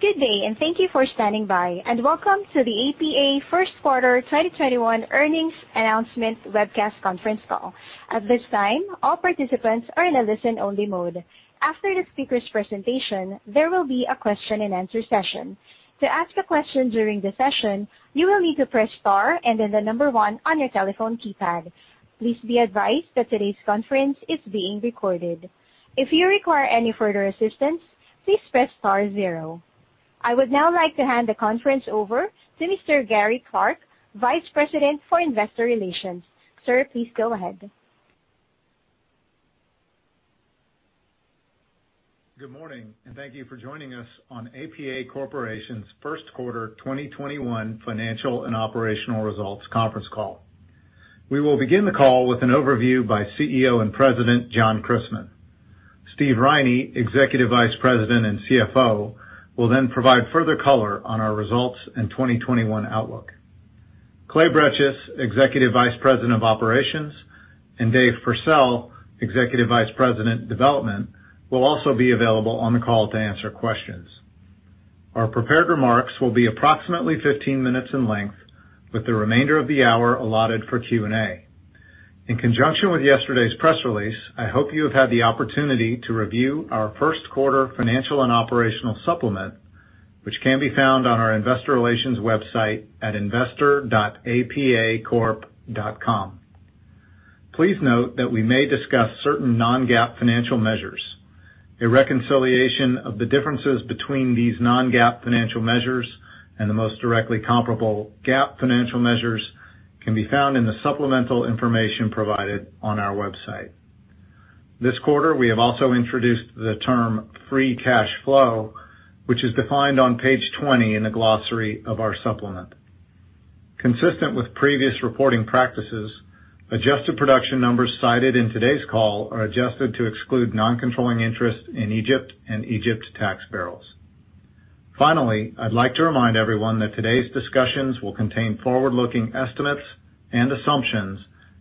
Good day, and thank you for standing by, and welcome to the APA first quarter 2021 earnings announcement webcast conference call. I would now like to hand the conference over to Mr. Gary Clark, Vice President for Investor Relations. Sir, please go ahead. Good morning, and thank you for joining us on APA Corporation's first quarter 2021 financial and operational results conference call. We will begin the call with an overview by CEO and President, John Christmann. Stephen J. Riney, Executive Vice President and CFO, will then provide further color on our results and 2021 outlook. Clay Bretches, Executive Vice President of Operations, and David Pursell, Executive Vice President Development, will also be available on the call to answer questions. Our prepared remarks will be approximately 15 minutes in length, with the remainder of the hour allotted for Q&A. In conjunction with yesterday's press release, I hope you have had the opportunity to review our first quarter financial and operational supplement, which can be found on our investor relations website at investor.apacorp.com. Please note that we may discuss certain Non-GAAP financial measures. A reconciliation of the differences between these Non-GAAP financial measures and the most directly comparable GAAP financial measures can be found in the supplemental information provided on our website. This quarter, we have also introduced the term free cash flow, which is defined on page 20 in the glossary of our supplement. Consistent with previous reporting practices, adjusted production numbers cited in today's call are adjusted to exclude non-controlling interests in Egypt and Egypt tax barrels. Finally, I'd like to remind everyone that today's discussions will contain forward-looking estimates and assumptions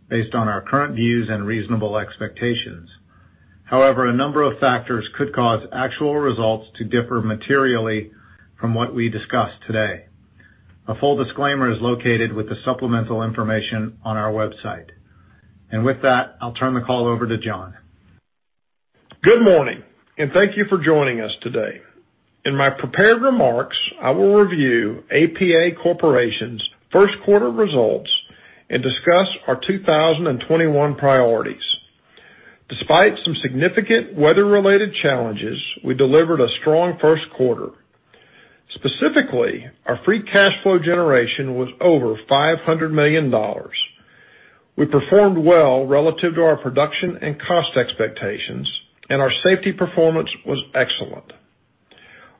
based on our current views and reasonable expectations. However, a number of factors could cause actual results to differ materially from what we discuss today. A full disclaimer is located with the supplemental information on our website. With that, I'll turn the call over to John. Good morning, and thank you for joining us today. In my prepared remarks, I will review APA Corporation's first quarter results and discuss our 2021 priorities. Despite some significant weather-related challenges, we delivered a strong first quarter. Specifically, our free cash flow generation was over $500 million. We performed well relative to our production and cost expectations, and our safety performance was excellent.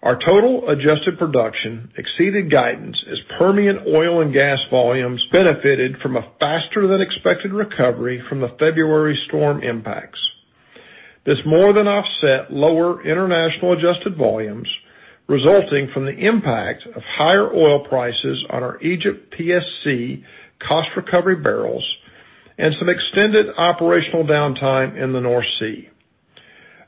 Our total adjusted production exceeded guidance as Permian oil and gas volumes benefited from a faster-than-expected recovery from the February storm impacts. This more than offset lower international adjusted volumes resulting from the impact of higher oil prices on our Egypt PSC cost recovery barrels and some extended operational downtime in the North Sea.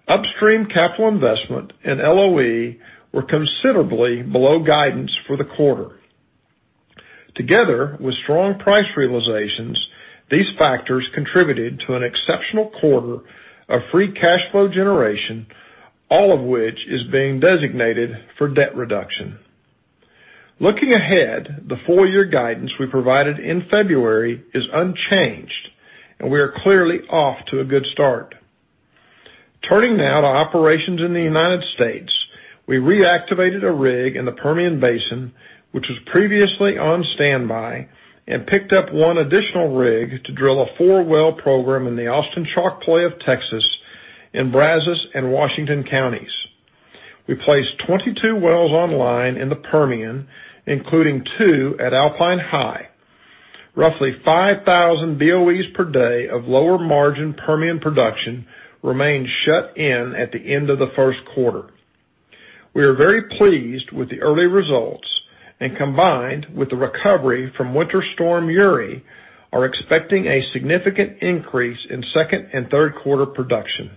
Upstream capital investment and LOE were considerably below guidance for the quarter. Together with strong price realizations, these factors contributed to an exceptional quarter of free cash flow generation, all of which is being designated for debt reduction. Looking ahead, the full-year guidance we provided in February is unchanged, and we are clearly off to a good start. Turning now to operations in the United States. We reactivated a rig in the Permian Basin, which was previously on standby and picked up one additional rig to drill a four-well program in the Austin Chalk play of Texas in Brazos and Washington counties. We placed 22 wells online in the Permian, including two at Alpine High. Roughly 5,000 BOEs per day of lower margin Permian production remained shut in at the end of the first quarter. We are very pleased with the early results and, combined with the recovery from Winter Storm Uri, are expecting a significant increase in second and third quarter production.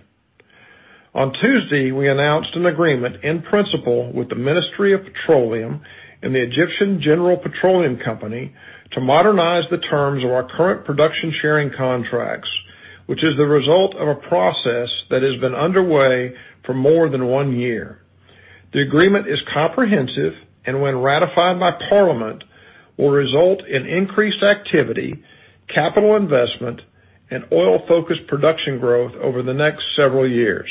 On Tuesday, we announced an agreement in principle with the Ministry of Petroleum and the Egyptian General Petroleum Corporation to modernize the terms of our current production sharing contracts, which is the result of a process that has been underway for more than one year. The agreement is comprehensive and when ratified by Parliament, will result in increased activity, capital investment, and oil-focused production growth over the next several years.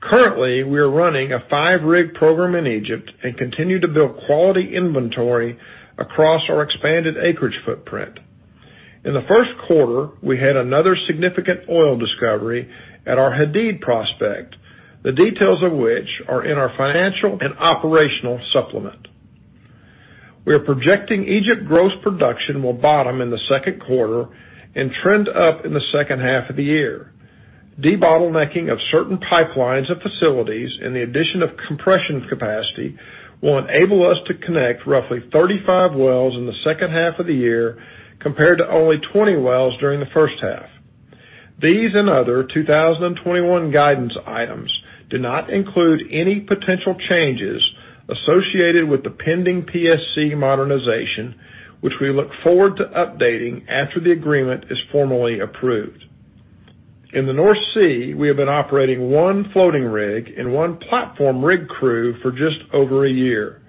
Currently, we are running a five-rig program in Egypt and continue to build quality inventory across our expanded acreage footprint. In the first quarter, we had another significant oil discovery at our Hadid prospect, the details of which are in our financial and operational supplement. We are projecting Egypt gross production will bottom in the second quarter and trend up in the second half of the year. Debottlenecking of certain pipelines and facilities and the addition of compression capacity will enable us to connect roughly 35 wells in the second half of the year, compared to only 20 wells during the first half. These and other 2021 guidance items do not include any potential changes associated with the pending PSC modernization, which we look forward to updating after the agreement is formally approved. In the North Sea, we have been operating one floating rig and one platform rig crew for just over a year.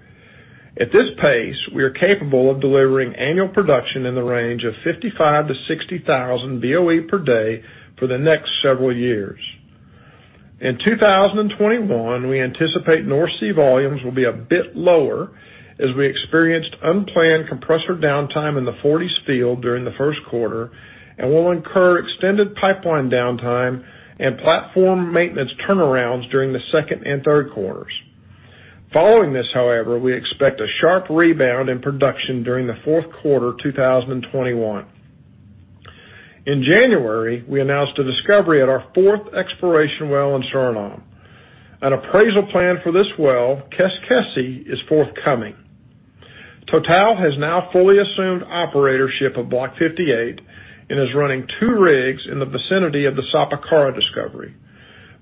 At this pace, we are capable of delivering annual production in the range of 55,000-60,000 BOE per day for the next several years. In 2021, we anticipate North Sea volumes will be a bit lower as we experienced unplanned compressor downtime in the Forties field during the first quarter and will incur extended pipeline downtime and platform maintenance turnarounds during the second and third quarters. Following this, however, we expect a sharp rebound in production during the fourth quarter 2021. In January, we announced a discovery at our fourth exploration well in Suriname. An appraisal plan for this well, Keskesi, is forthcoming. Total has now fully assumed operatorship of Block 58 and is running two rigs in the vicinity of the Sapakara discovery.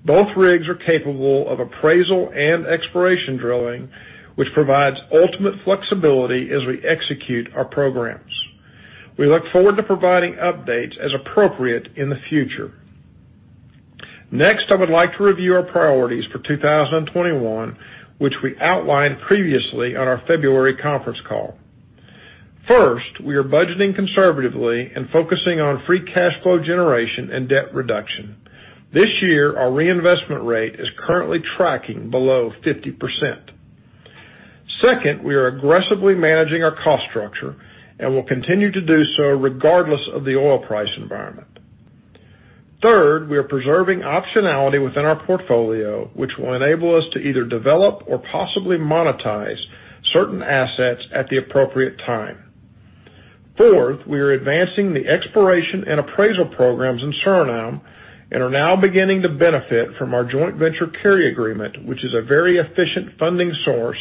Both rigs are capable of appraisal and exploration drilling, which provides ultimate flexibility as we execute our programs. We look forward to providing updates as appropriate in the future. Next, I would like to review our priorities for 2021, which we outlined previously on our February conference call. First, we are budgeting conservatively and focusing on free cash flow generation and debt reduction. This year, our reinvestment rate is currently tracking below 50%. Second, we are aggressively managing our cost structure and will continue to do so regardless of the oil price environment. Third, we are preserving optionality within our portfolio, which will enable us to either develop or possibly monetize certain assets at the appropriate time. Fourth, we are advancing the exploration and appraisal programs in Suriname and are now beginning to benefit from our joint venture carry agreement, which is a very efficient funding source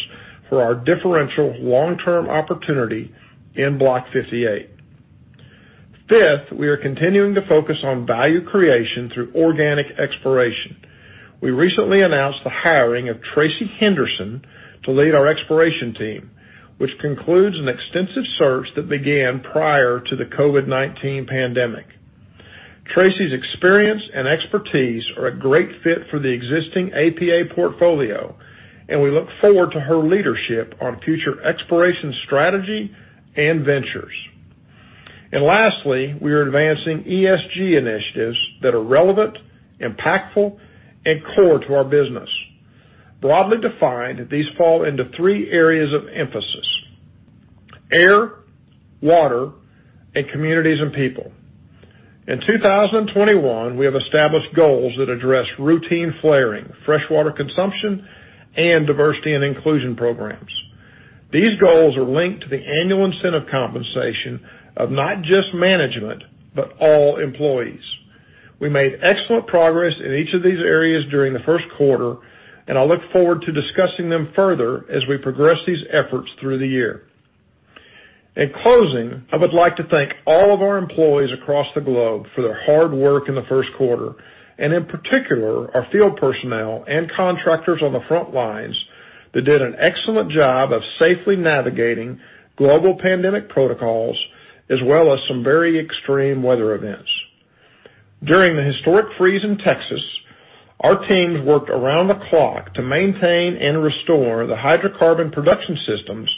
for our differential long-term opportunity in Block 58. Fifth, we are continuing to focus on value creation through organic exploration. We recently announced the hiring of Tracey Henderson to lead our exploration team, which concludes an extensive search that began prior to the COVID-19 pandemic. Tracey's experience and expertise are a great fit for the existing APA portfolio, and we look forward to her leadership on future exploration strategy and ventures. Lastly, we are advancing ESG initiatives that are relevant, impactful, and core to our business. Broadly defined, these fall into three areas of emphasis: air, water, and communities and people. In 2021, we have established goals that address routine flaring, freshwater consumption, and diversity and inclusion programs. These goals are linked to the annual incentive compensation of not just management, but all employees. We made excellent progress in each of these areas during the first quarter, and I look forward to discussing them further as we progress these efforts through the year. In closing, I would like to thank all of our employees across the globe for their hard work in the first quarter, and in particular, our field personnel and contractors on the front lines that did an excellent job of safely navigating global pandemic protocols, as well as some very extreme weather events. During the historic freeze in Texas, our teams worked around the clock to maintain and restore the hydrocarbon production systems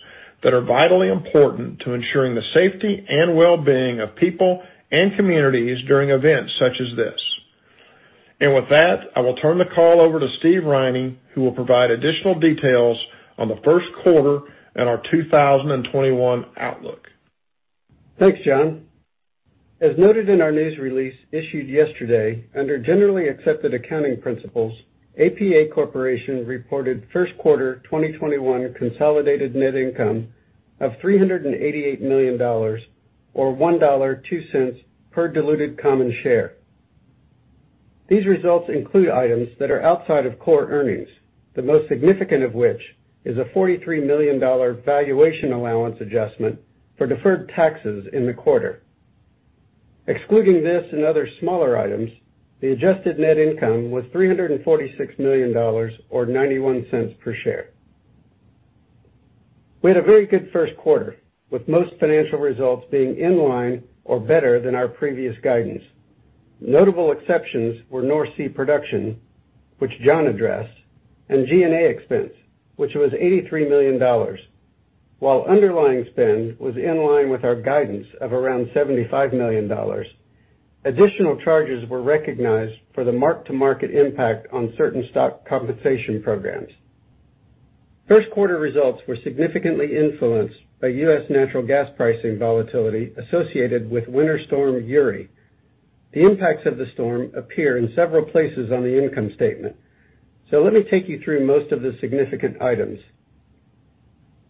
that are vitally important to ensuring the safety and wellbeing of people and communities during events such as this. With that, I will turn the call over to Stephen J. Riney, who will provide additional details on the first quarter and our 2021 outlook. Thanks, John. As noted in our news release issued yesterday, under Generally Accepted Accounting Principles, APA Corporation reported first quarter 2021 consolidated net income of $388 million, or $1.02 per diluted common share. These results include items that are outside of core earnings, the most significant of which is a $43 million valuation allowance adjustment for deferred taxes in the quarter. Excluding this and other smaller items, the adjusted net income was $346 million, or $0.91 per share. We had a very good first quarter, with most financial results being in line or better than our previous guidance. Notable exceptions were North Sea production, which John addressed, and G&A expense, which was $83 million. While underlying spend was in line with our guidance of around $75 million, additional charges were recognized for the mark-to-market impact on certain stock compensation programs. First quarter results were significantly influenced by U.S. natural gas pricing volatility associated with Winter Storm Uri. The impacts of the storm appear in several places on the income statement. Let me take you through most of the significant items.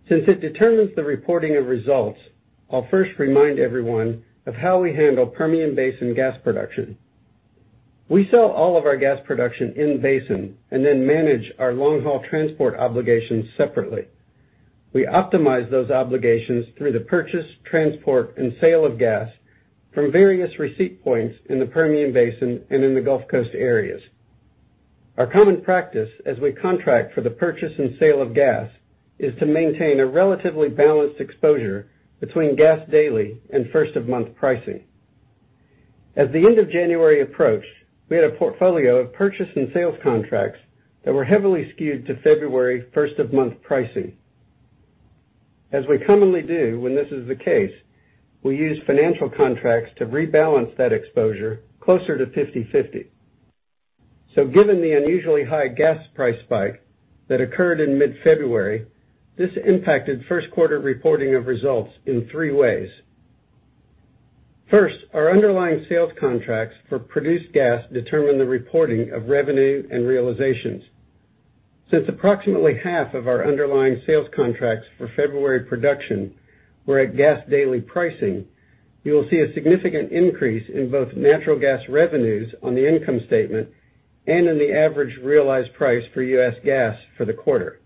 Since it determines the reporting of results, I'll first remind everyone of how we handle Permian Basin gas production. We sell all of our gas production in-basin and then manage our long-haul transport obligations separately. We optimize those obligations through the purchase, transport, and sale of gas from various receipt points in the Permian Basin and in the Gulf Coast areas. Our common practice as we contract for the purchase and sale of gas is to maintain a relatively balanced exposure between gas daily and first-of-the-month pricing. As the end of January approached, we had a portfolio of purchase and sales contracts that were heavily skewed to February first-of-month pricing. As we commonly do when this is the case, we use financial contracts to rebalance that exposure closer to 50/50. Given the unusually high gas price spike that occurred in mid-February, this impacted first quarter reporting of results in three ways. First, our underlying sales contracts for produced gas determine the reporting of revenue and realizations. Since approximately half of our underlying sales contracts for February production were at gas daily pricing, you will see a significant increase in both natural gas revenues on the income statement and in the average realized price for U.S. gas for the quarter.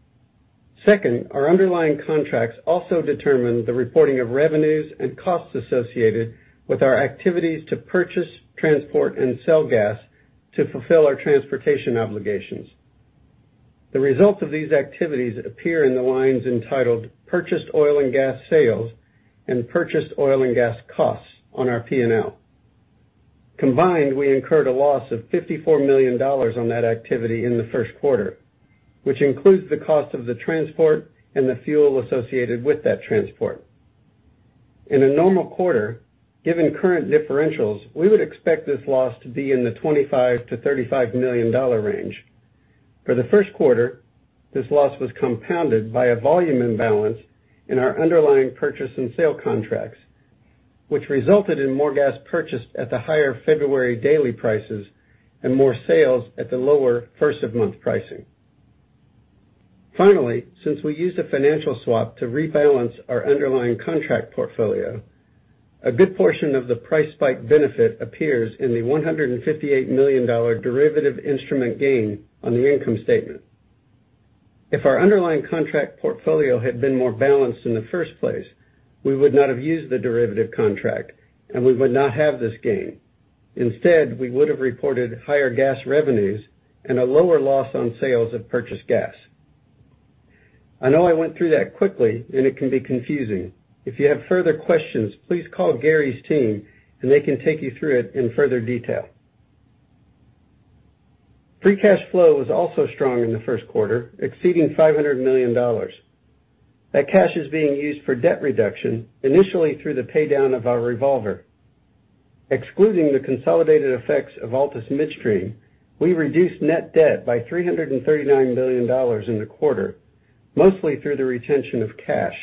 Second, our underlying contracts also determine the reporting of revenues and costs associated with our activities to purchase, transport, and sell gas to fulfill our transportation obligations. The results of these activities appear in the lines entitled purchased oil and gas sales and purchased oil and gas costs on our P&L. Combined, we incurred a loss of $54 million on that activity in the first quarter, which includes the cost of the transport and the fuel associated with that transport. In a normal quarter, given current differentials, we would expect this loss to be in the $25 million-$35 million range. For the first quarter, this loss was compounded by a volume imbalance in our underlying purchase and sale contracts, which resulted in more gas purchased at the higher February daily prices and more sales at the lower first-of-the-month pricing. Finally, since we used a financial swap to rebalance our underlying contract portfolio, a good portion of the price spike benefit appears in the $158 million derivative instrument gain on the income statement. If our underlying contract portfolio had been more balanced in the first place, we would not have used the derivative contract, and we would not have this gain. Instead, we would have reported higher gas revenues and a lower loss on sales of purchased gas. I know I went through that quickly, and it can be confusing. If you have further questions, please call Gary's team, and they can take you through it in further detail. Free cash flow was also strong in the first quarter, exceeding $500 million. That cash is being used for debt reduction, initially through the pay-down of our revolver. Excluding the consolidated effects of Altus Midstream, we reduced net debt by $339 million in the quarter, mostly through the retention of cash.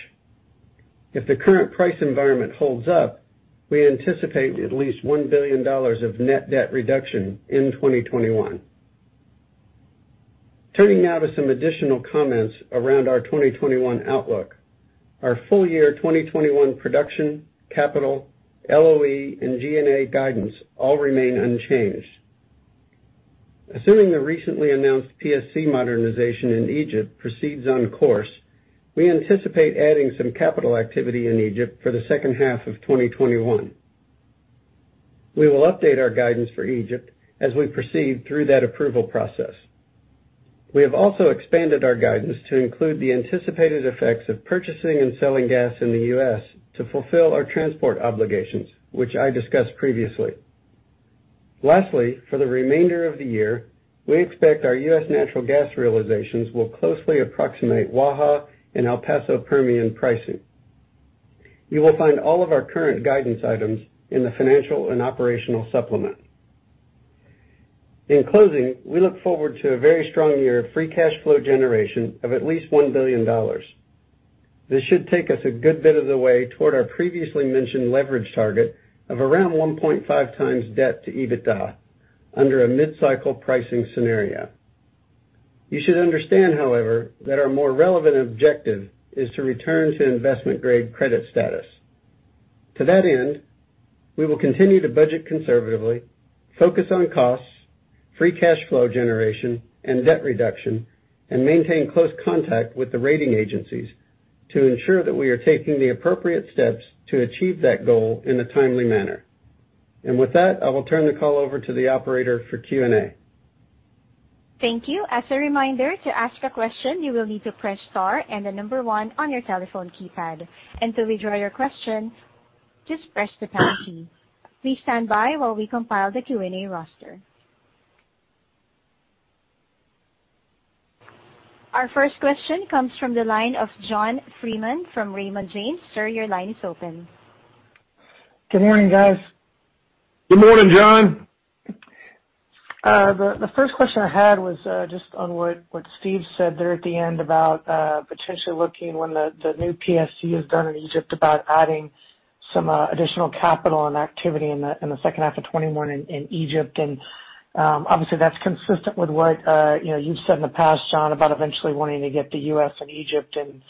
If the current price environment holds up, we anticipate at least $1 billion of net debt reduction in 2021. Turning now to some additional comments around our 2021 outlook. Our full year 2021 production, capital, LOE, and G&A guidance all remain unchanged. Assuming the recently announced PSC modernization in Egypt proceeds on course, we anticipate adding some capital activity in Egypt for the second half of 2021. We will update our guidance for Egypt as we proceed through that approval process. We have also expanded our guidance to include the anticipated effects of purchasing and selling gas in the U.S. to fulfill our transport obligations, which I discussed previously. Lastly, for the remainder of the year, we expect our U.S. natural gas realizations will closely approximate Waha and El Paso Permian pricing. You will find all of our current guidance items in the financial and operational supplement. In closing, we look forward to a very strong year of free cash flow generation of at least $1 billion. This should take us a good bit of the way toward our previously mentioned leverage target of around 1.5 times debt to EBITDA under a mid-cycle pricing scenario. You should understand, however, that our more relevant objective is to return to investment-grade credit status. To that end, we will continue to budget conservatively, focus on costs, free cash flow generation, and debt reduction, and maintain close contact with the rating agencies to ensure that we are taking the appropriate steps to achieve that goal in a timely manner. With that, I will turn the call over to the operator for Q&A. Thank you. As a reminder, to ask a question, you will need to press star and the number one on your telephone keypad. And to withdraw your question, just press the pound key. Our first question comes from the line of John Freeman from Raymond James. Sir, your line is open. Good morning, guys. Good morning, John. The first question I had was just on what Steve said there at the end about potentially looking when the new PSC is done in Egypt about adding some additional capital and activity in the second half of 2021 in Egypt. Obviously, that's consistent with what you've said in the past, John, about eventually wanting to get to U.S. and Egypt in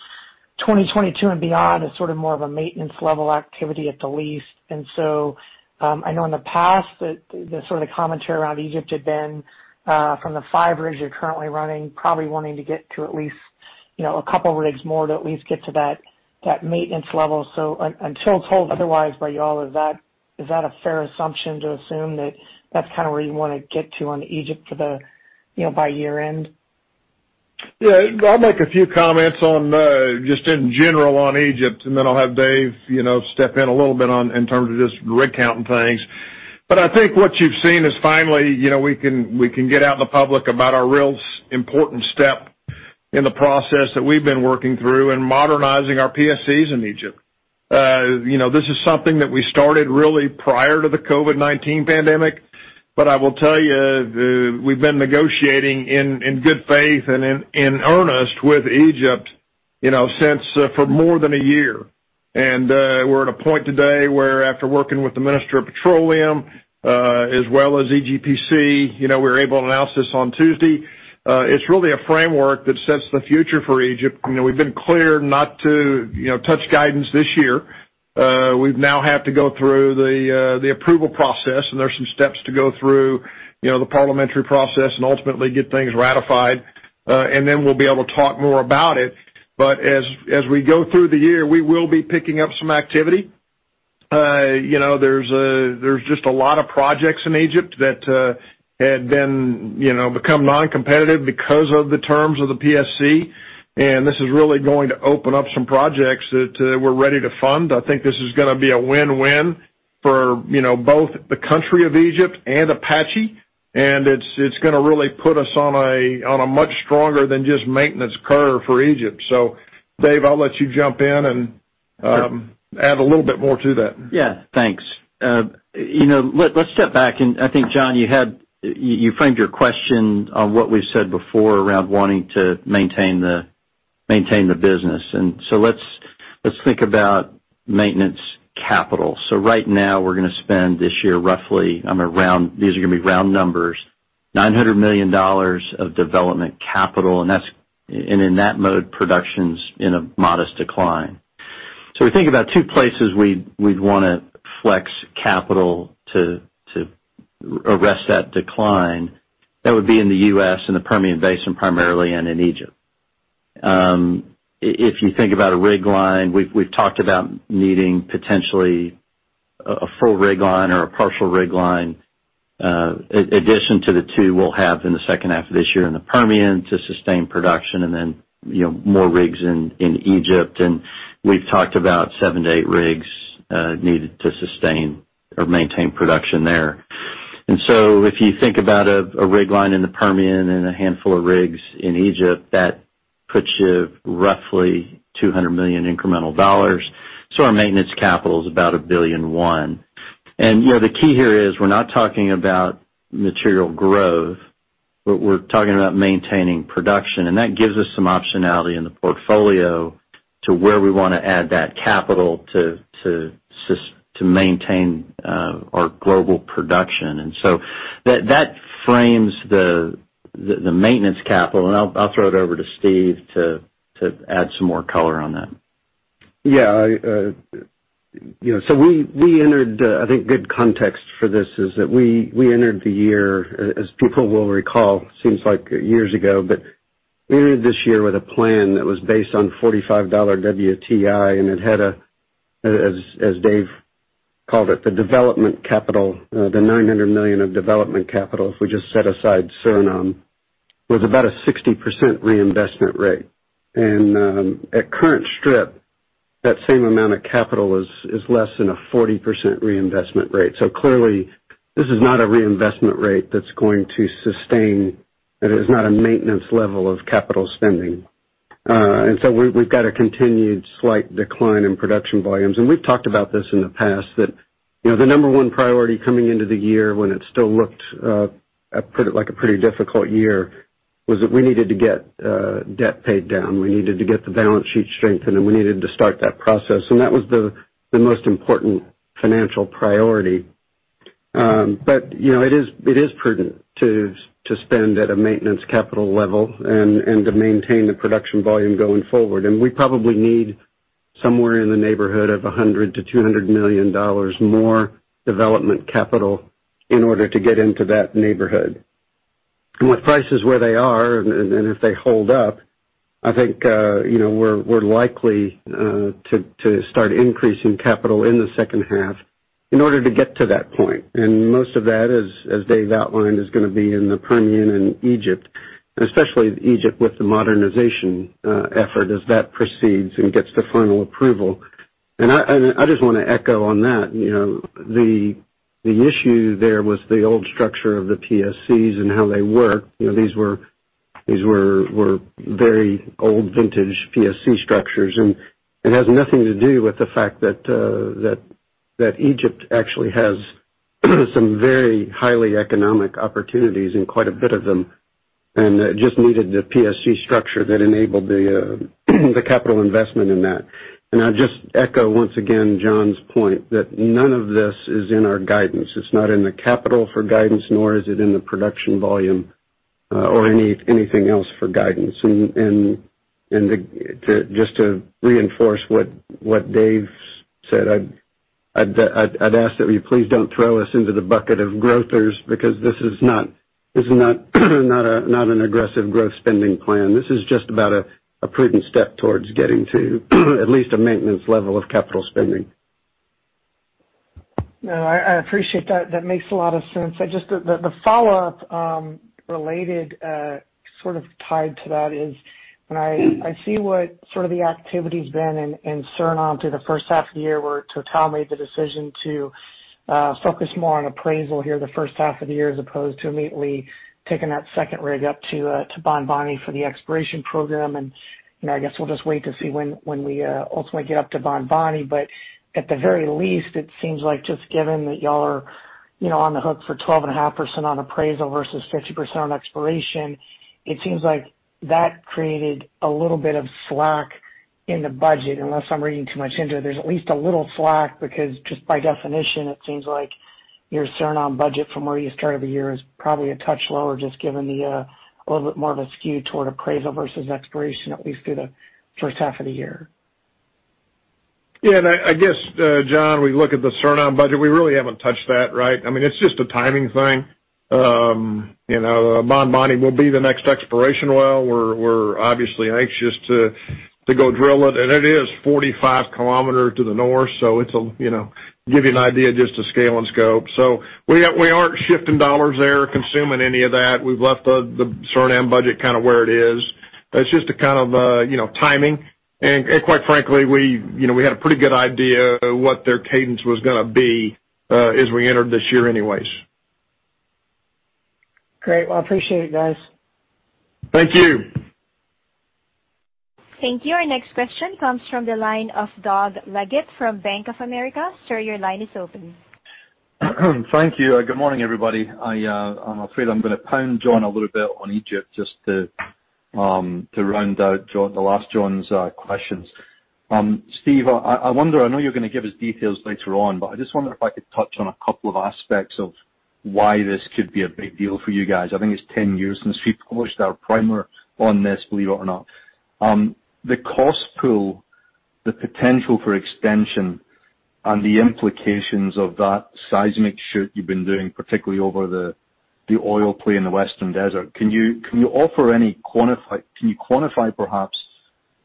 2022 and beyond as sort of more of a maintenance level activity at the least. I know in the past that the sort of commentary around Egypt had been from the five rigs you're currently running, probably wanting to get to at least a couple rigs more to at least get to that maintenance level. Until told otherwise by you all, is that a fair assumption to assume that that's kind of where you want to get to on Egypt by year end? Yeah. I'll make a few comments just in general on Egypt, and then I'll have Dave step in a little bit in terms of just rig count and things. I think what you've seen is finally, we can get out in the public about our real important step in the process that we've been working through in modernizing our PSCs in Egypt. This is something that we started really prior to the COVID-19 pandemic, but I will tell you, we've been negotiating in good faith and in earnest with Egypt for more than one year. We're at a point today where after working with the Minister of Petroleum, as well as EGPC, we were able to announce this on Tuesday. It's really a framework that sets the future for Egypt. We've been clear not to touch guidance this year. We now have to go through the approval process, and there are some steps to go through the parliamentary process and ultimately get things ratified. Then we'll be able to talk more about it. As we go through the year, we will be picking up some activity. There's just a lot of projects in Egypt that had become non-competitive because of the terms of the PSC. This is really going to open up some projects that were ready to fund. I think this is going to be a win-win for both the country of Egypt and Apache, and it's going to really put us on a much stronger than just maintenance curve for Egypt. David, I'll let you jump in and. Sure. add a little bit more to that. Yeah, thanks. Let's step back, I think, John, you framed your question on what we've said before around wanting to maintain the business. Let's think about maintenance capital. Right now we're going to spend this year roughly, these are going to be round numbers, $900 million of development capital, and in that mode, production's in a modest decline. We think about two places we'd want to flex capital to arrest that decline. That would be in the U.S. and the Permian Basin primarily, and in Egypt. If you think about a rig line, we've talked about needing potentially a full rig line or a partial rig line, addition to the two we'll have in the second half of this year in the Permian to sustain production, and then more rigs in Egypt. We've talked about seven to eight rigs needed to sustain or maintain production there. If you think about a rig line in the Permian and a handful of rigs in Egypt, that puts you roughly $200 million incremental dollars. Our maintenance capital is about $1.1 billion. The key here is we're not talking about material growth, but we're talking about maintaining production. That gives us some optionality in the portfolio to where we want to add that capital to maintain our global production. That frames the maintenance capital, and I'll throw it over to Steve to add some more color on that. Yeah. I think good context for this is that we entered the year, as people will recall, seems like years ago, but we entered this year with a plan that was based on $45 WTI, and it had, as David called it, the development capital, the $900 million of development capital, if we just set aside Suriname, was about a 60% reinvestment rate. At current strip, that same amount of capital is less than a 40% reinvestment rate. Clearly, this is not a reinvestment rate that's going to sustain, it is not a maintenance level of capital spending. We've got a continued slight decline in production volumes. We've talked about this in the past, that the number one priority coming into the year when it still looked like a pretty difficult year, was that we needed to get debt paid down. We needed to get the balance sheet strengthened, and we needed to start that process. That was the most important financial priority. It is prudent to spend at a maintenance capital level and to maintain the production volume going forward. We probably need somewhere in the neighborhood of $100 million-$200 million more development capital in order to get into that neighborhood. With prices where they are, and if they hold up, I think we're likely to start increasing capital in the second half in order to get to that point. Most of that, as David Pursell outlined, is going to be in the Permian and Egypt, and especially Egypt with the modernization effort as that proceeds and gets the final approval. I just want to echo on that. The issue there was the old structure of the PSCs and how they worked. These were very old vintage PSC structures, and it has nothing to do with the fact that Egypt actually has some very highly economic opportunities and quite a bit of them, and it just needed the PSC structure that enabled the capital investment in that. I'll just echo once again John's point that none of this is in our guidance. It's not in the capital for guidance, nor is it in the production volume or anything else for guidance. Just to reinforce what Dave said. I'd ask that you please don't throw us into the bucket of growthers, because this is not an aggressive growth spending plan. This is just about a prudent step towards getting to at least a maintenance level of capital spending. No, I appreciate that. That makes a lot of sense. Just the follow-up, related, sort of tied to that is, when I see what sort of the activity's been in Suriname through the first half of the year, where TotalEnergies made the decision to focus more on appraisal here the first half of the year, as opposed to immediately taking that second rig up to Bonboni for the exploration program. I guess we'll just wait to see when we ultimately get up to Bonboni, but at the very least, it seems like just given that y'all are on the hook for 12.5% on appraisal versus 50% on exploration, it seems like that created a little bit of slack in the budget. Unless I'm reading too much into it, there's at least a little slack because just by definition, it seems like your Suriname budget from where you started the year is probably a touch lower, just given the little bit more of a skew toward appraisal versus exploration, at least through the first half of the year. I guess, John, we look at the Suriname budget, we really haven't touched that, right? I mean, it's just a timing thing. Bonboni will be the next exploration well. We're obviously anxious to go drill it. It is 45 kilometers to the north, to give you an idea just the scale and scope. We aren't shifting dollars there, consuming any of that. We've left the Suriname budget kind of where it is. It's just a kind of timing. Quite frankly, we had a pretty good idea what their cadence was going to be as we entered this year anyways. Great. Well, appreciate it, guys. Thank you. Thank you. Our next question comes from the line of Doug Leggate from Bank of America. Sir, your line is open. Thank you. Good morning, everybody. I'm afraid I'm going to pound John a little bit on Egypt just to round out the last John's questions. Steve, I wonder, I know you're going to give us details later on, but I just wonder if I could touch on a couple of aspects of why this could be a big deal for you guys. I think it's 10 years since we published our primer on this, believe it or not. The cost pool, the potential for extension, and the implications of that seismic shoot you've been doing, particularly over the oil play in the Western Desert. Can you quantify perhaps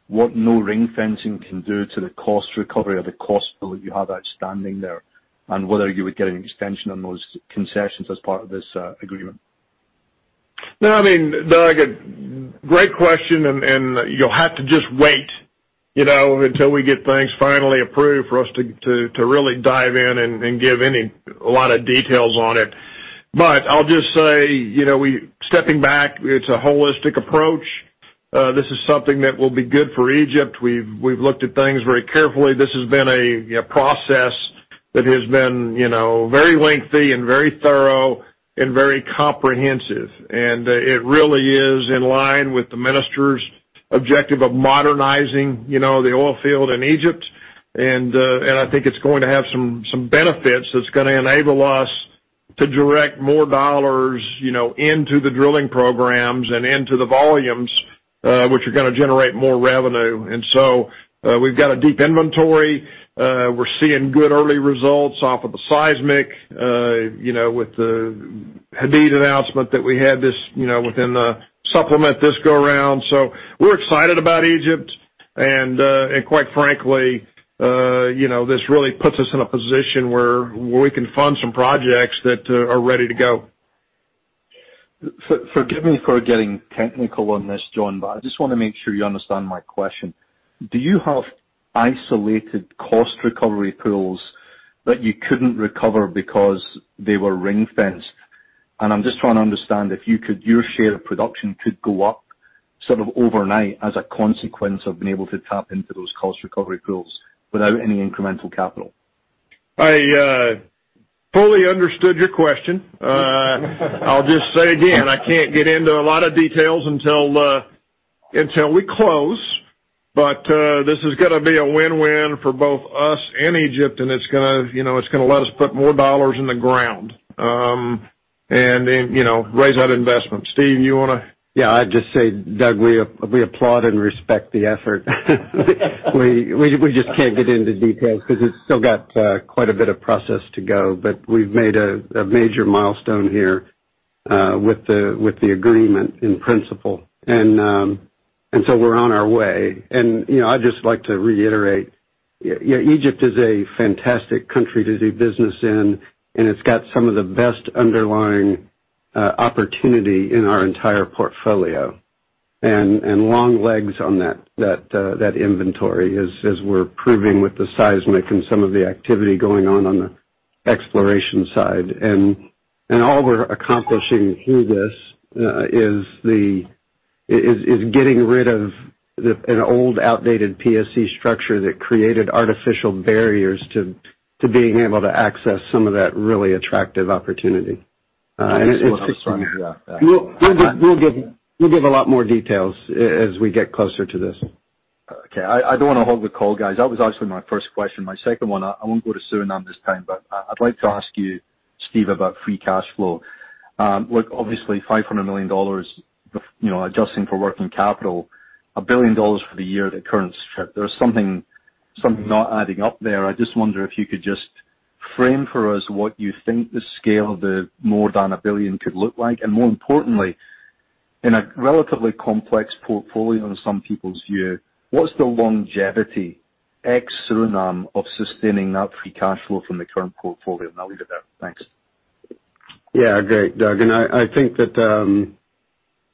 what no ring fencing can do to the cost recovery or the cost pool that you have outstanding there? Whether you would get an extension on those concessions as part of this agreement? No, I mean, Doug, great question. You'll have to just wait until we get things finally approved for us to really dive in and give any, a lot of details on it. I'll just say, stepping back, it's a holistic approach. This is something that will be good for Egypt. We've looked at things very carefully. This has been a process that has been very lengthy and very thorough and very comprehensive. It really is in line with the Minister's objective of modernizing the oil field in Egypt. I think it's going to have some benefits that's going to enable us to direct more dollars into the drilling programs and into the volumes, which are going to generate more revenue. We've got a deep inventory. We're seeing good early results off of the seismic with the Hadid announcement that we had this within the supplement this go around. We're excited about Egypt, and quite frankly, this really puts us in a position where we can fund some projects that are ready to go. Forgive me for getting technical on this, John, but I just want to make sure you understand my question. Do you have isolated cost recovery pools that you couldn't recover because they were ring-fenced? I'm just trying to understand if your share of production could go up sort of overnight as a consequence of being able to tap into those cost recovery pools without any incremental capital. I fully understood your question. I'll just say again, I can't get into a lot of details until we close. This is going to be a win-win for both us and Egypt, and it's going to let us put more dollars in the ground. Then raise that investment. Steve, you want to- Yeah, I'd just say, Doug, we applaud and respect the effort. We just can't get into details because it's still got quite a bit of process to go. We've made a major milestone here with the agreement in principle. We're on our way. I'd just like to reiterate, Egypt is a fantastic country to do business in, and it's got some of the best underlying opportunity in our entire portfolio and long legs on that inventory as we're proving with the seismic and some of the activity going on the exploration side. All we're accomplishing through this is getting rid of an old, outdated PSC structure that created artificial barriers to being able to access some of that really attractive opportunity. I just want to try and do that, yeah. We'll give a lot more details as we get closer to this. Okay. I don't want to hold the call, guys. That was actually my first question. My second one, I won't go to Suriname this time, but I'd like to ask you, Stephen J. Riney, about free cash flow. Look, obviously $500 million, adjusting for working capital, $1 billion for the year at the current strip. There's something not adding up there. I just wonder if you could just frame for us what you think the scale of the more than $1 billion could look like. More importantly, in a relatively complex portfolio in some people's view, what's the longevity ex Suriname of sustaining that free cash flow from the current portfolio? I'll leave it there. Thanks. Yeah. Great, Doug. I think that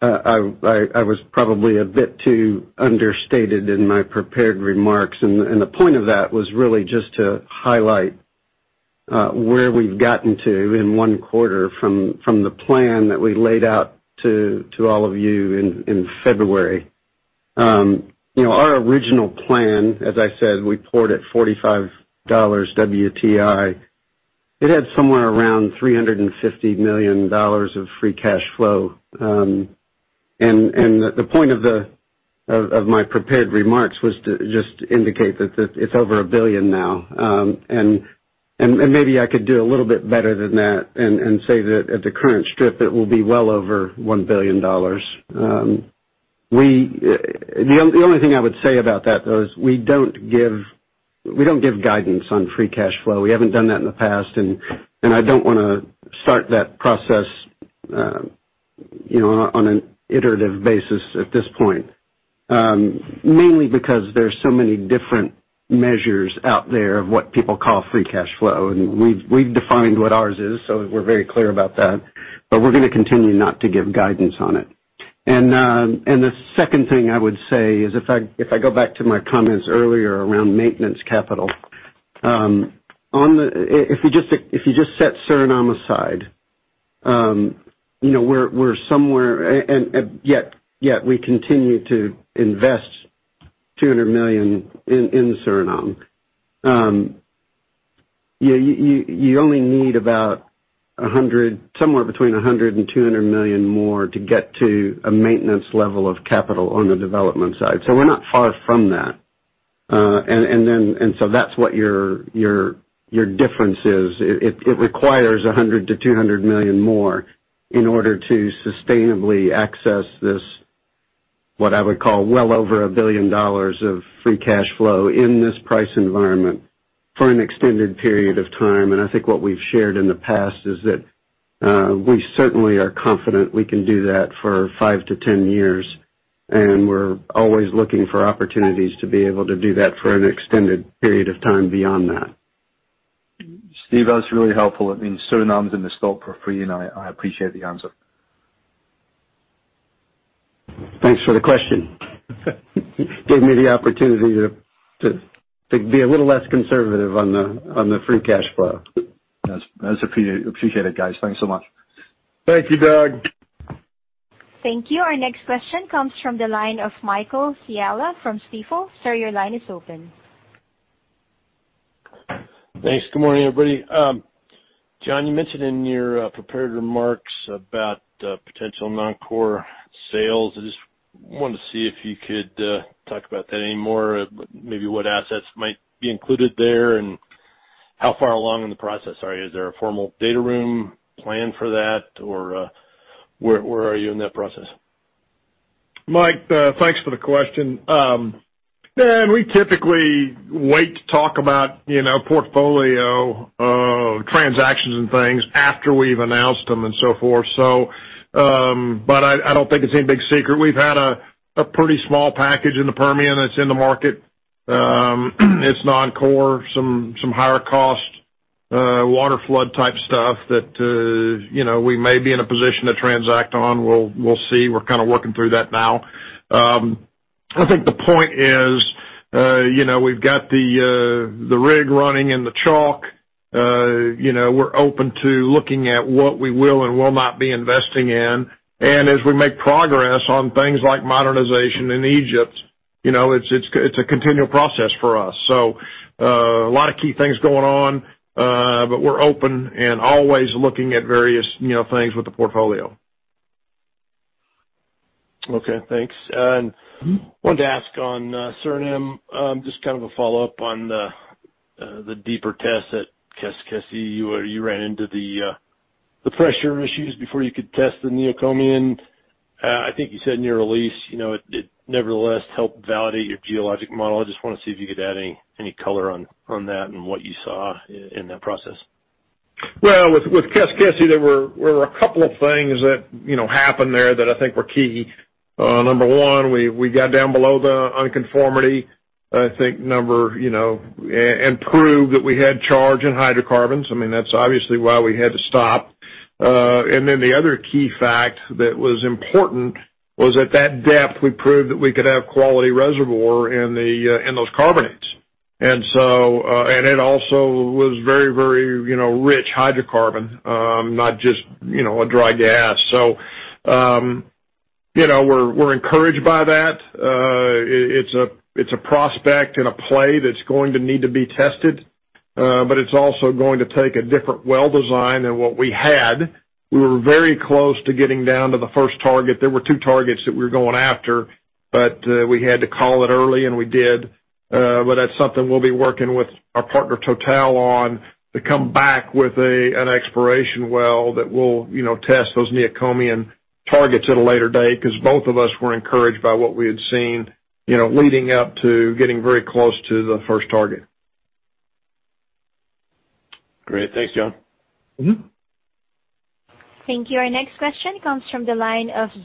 I was probably a bit too understated in my prepared remarks, and the point of that was really just to highlight where we've gotten to in one quarter from the plan that we laid out to all of you in February. Our original plan, as I said, we priced at $45 WTI. It had somewhere around $350 million of free cash flow. The point of my prepared remarks was to just indicate that it's over $1 billion now. Maybe I could do a little bit better than that and say that at the current strip, it will be well over $1 billion. The only thing I would say about that, though, is we don't give guidance on free cash flow. We haven't done that in the past, and I don't want to start that process on an iterative basis at this point. Mainly because there's so many different measures out there of what people call free cash flow, and we've defined what ours is, so we're very clear about that, but we're going to continue not to give guidance on it. The second thing I would say is if I go back to my comments earlier around maintenance capital. If you just set Suriname aside, and yet we continue to invest $200 million in Suriname. You only need about somewhere between $100 million-$200 million more to get to a maintenance level of capital on the development side. We're not far from that. That's what your difference is. It requires $100 million-$200 million more in order to sustainably access this, what I would call well over $1 billion of free cash flow in this price environment for an extended period of time. I think what we've shared in the past is that we certainly are confident we can do that for five to 10 years, and we're always looking for opportunities to be able to do that for an extended period of time beyond that. Stephen, that's really helpful. It means Suriname's in the scope for free. I appreciate the answer. Thanks for the question. Gave me the opportunity to be a little less conservative on the free cash flow. That's appreciated, guys. Thanks so much. Thank you, Doug. Thank you. Our next question comes from the line of Michael Scialla from Stifel. Sir, your line is open. Thanks. Good morning, everybody. John, you mentioned in your prepared remarks about potential non-core sales. I just wanted to see if you could talk about that any more, maybe what assets might be included there, and how far along in the process are you? Is there a formal data room plan for that, or where are you in that process? Michael Scialla, thanks for the question. We typically wait to talk about portfolio transactions and things after we've announced them, and so forth. I don't think it's any big secret. We've had a pretty small package in the Permian that's in the market. It's non-core, some higher cost water flood type stuff that we may be in a position to transact on. We'll see. We're kind of working through that now. I think the point is we've got the rig running in the Chalk. We're open to looking at what we will and will not be investing in. As we make progress on things like modernization in Egypt, it's a continual process for us. A lot of key things going on, but we're open and always looking at various things with the portfolio. Okay, thanks. I wanted to ask on Suriname, just kind of a follow-up on the deeper tests at Keskesi. You ran into the pressure issues before you could test the Neocomian. I think you said in your release it nevertheless helped validate your geologic model. I just want to see if you could add any color on that and what you saw in that process. Well, with Keskesi, there were a couple of things that happened there that I think were key. Number 1, we got down below the unconformity, proved that we had charge in hydrocarbons. I mean, that's obviously why we had to stop. The other key fact that was important was at that depth, we proved that we could have quality reservoir in those carbonates. It also was very rich hydrocarbon, not just a dry gas. We're encouraged by that. It's a prospect and a play that's going to need to be tested. It's also going to take a different well design than what we had. We were very close to getting down to the first target. There were two targets that we were going after, we had to call it early and we did. That's something we'll be working with our partner TotalEnergies on to come back with an exploration well that will test those Neocomian targets at a later date, because both of us were encouraged by what we had seen, leading up to getting very close to the first target. Great. Thanks, John. Thank you. Our next question comes from the line of Wei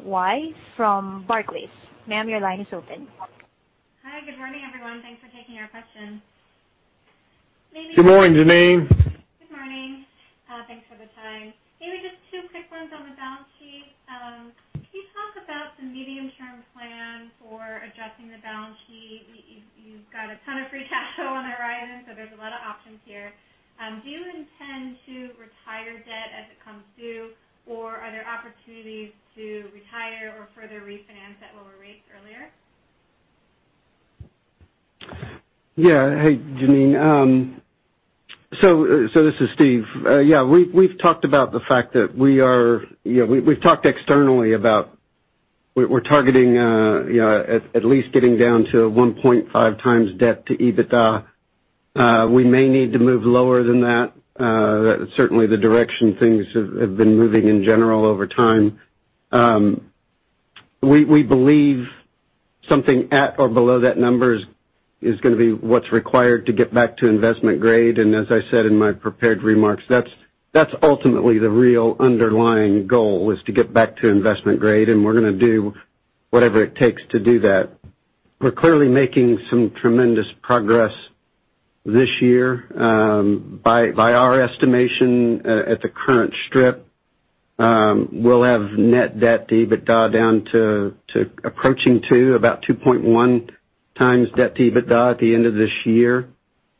Jiang from Barclays. Ma'am, your line is open. Hi. Good morning, everyone. Thanks for taking our question. Good morning, Wei Jiang. Good morning. Thanks for the time. Maybe just two quick ones on the balance sheet. Can you talk about the medium-term plan for adjusting the balance sheet? You've got a ton of free cash flow on the horizon. There's a lot of options here. Do you intend to retire debt as it comes due? Are there opportunities to retire or further refinance at lower rates earlier? Hey, Wei Jiang. This is Stephen J. Riney. We've talked externally about We're targeting at least getting down to 1.5 times debt to EBITDA. We may need to move lower than that. That is certainly the direction things have been moving in general over time. We believe something at or below that number is going to be what's required to get back to investment grade. As I said in my prepared remarks, that's ultimately the real underlying goal, is to get back to investment grade, and we're going to do whatever it takes to do that. We're clearly making some tremendous progress this year. By our estimation, at the current strip, we'll have net debt to EBITDA down to approaching 2, about 2.1 times debt to EBITDA at the end of this year.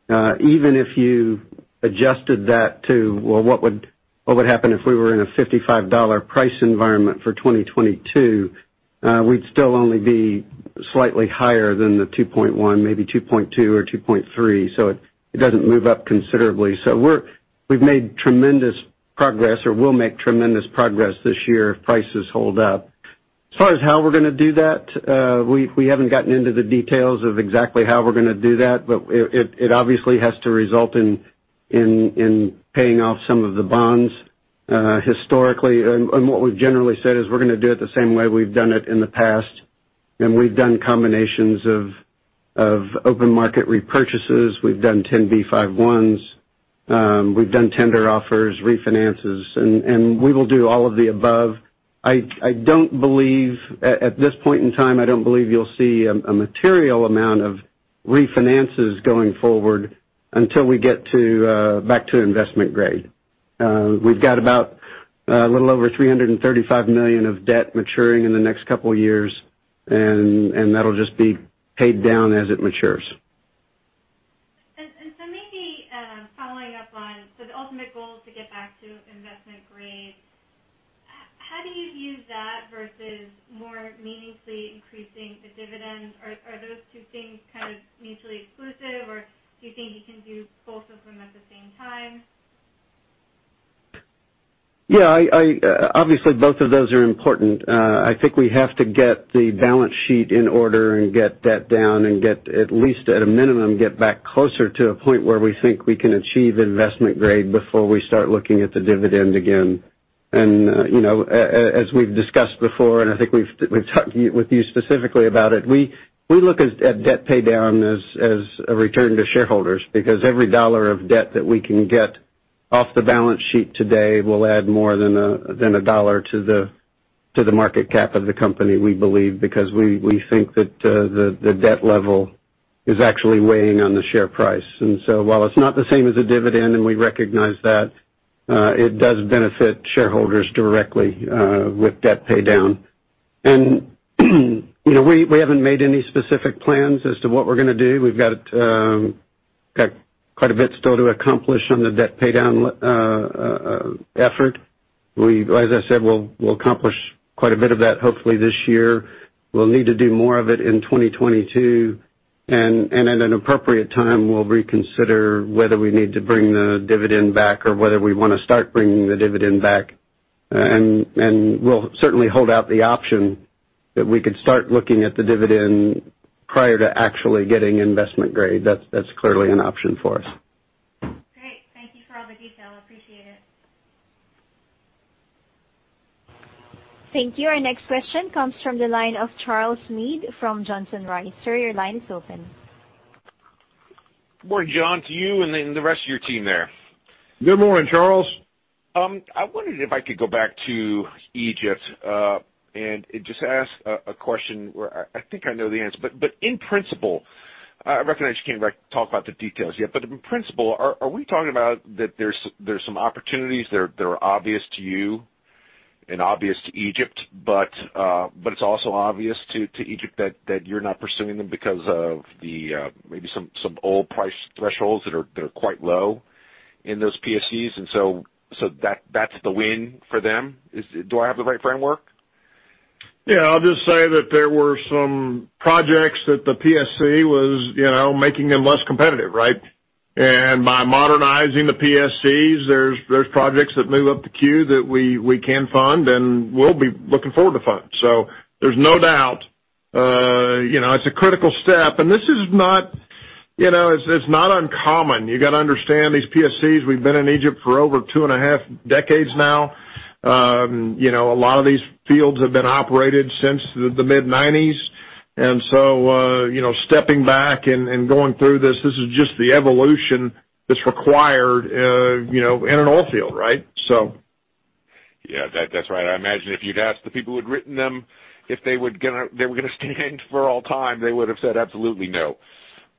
Even if you adjusted that to, well, what would happen if we were in a $55 price environment for 2022, we'd still only be slightly higher than the 2.1, maybe 2.2 or 2.3. It doesn't move up considerably. We've made tremendous progress, or will make tremendous progress this year if prices hold up. As far as how we're going to do that, we haven't gotten into the details of exactly how we're going to do that, but it obviously has to result in paying off some of the bonds. Historically, and what we've generally said is we're going to do it the same way we've done it in the past, and we've done combinations of open market repurchases, we've done 10b5-1s, we've done tender offers, refinances, and we will do all of the above. At this point in time, I don't believe you'll see a material amount of refinances going forward until we get back to investment grade. We've got about a little over $335 million of debt maturing in the next couple of years, and that'll just be paid down as it matures. Maybe following up on, so the ultimate goal is to get back to investment grade. How do you view that versus more meaningfully increasing the dividend? Are those two things mutually exclusive, or do you think you can do both of them at the same time? Yeah, obviously, both of those are important. I think we have to get the balance sheet in order and get debt down and get, at least at a minimum, get back closer to a point where we think we can achieve investment grade before we start looking at the dividend again. As we've discussed before, and I think we've talked with you specifically about it, we look at debt paydown as a return to shareholders, because every dollar of debt that we can get off the balance sheet today will add more than a dollar to the market cap of the company, we believe, because we think that the debt level is actually weighing on the share price. While it's not the same as a dividend, and we recognize that, it does benefit shareholders directly with debt paydown. We haven't made any specific plans as to what we're going to do. We've got quite a bit still to accomplish on the debt paydown effort. As I said, we'll accomplish quite a bit of that hopefully this year. We'll need to do more of it in 2022. At an appropriate time, we'll reconsider whether we need to bring the dividend back or whether we want to start bringing the dividend back. We'll certainly hold out the option that we could start looking at the dividend prior to actually getting investment grade. That's clearly an option for us. Great. Thank you for all the detail. Appreciate it. Thank you. Our next question comes from the line of Charles Meade from Johnson Rice. Sir, your line is open. Good morning, John, to you and the rest of your team there. Good morning, Charles. I wondered if I could go back to Egypt, and just ask a question where I think I know the answer. In principle, I recognize you can't talk about the details yet, but in principle, are we talking about that there's some opportunities that are obvious to you and obvious to Egypt, but it's also obvious to Egypt that you're not pursuing them because of maybe some oil price thresholds that are quite low in those PSCs, and so that's the win for them? Do I have the right framework? Yeah, I'll just say that there were some projects that the PSC was making them less competitive, right? By modernizing the PSCs, there's projects that move up the queue that we can fund and will be looking forward to fund. There's no doubt it's a critical step. This is not uncommon. You got to understand, these PSCs, we've been in Egypt for over two and a half decades now. A lot of these fields have been operated since the mid-'90s. Stepping back and going through this is just the evolution that's required in an oil field, right? Yeah. That's right. I imagine if you'd asked the people who had written them if they were going to stand for all time, they would've said absolutely no.